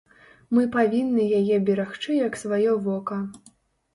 Мы павінны яе берагчы як сваё вока.